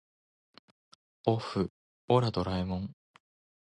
おっふオラドラえもん